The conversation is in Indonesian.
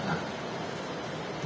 yang di sini